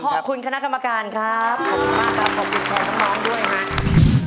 เก่งครับขอบคุณคณะกรรมการครับขอบคุณมากขอบคุณท้องด้วยค่ะ